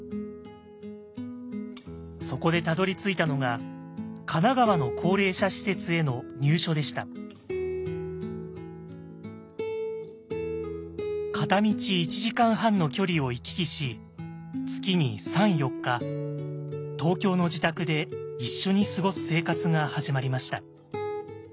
そこでたどりついたのが神奈川の片道１時間半の距離を行き来し月に３４日東京の自宅で一緒に過ごす生活が始まりました。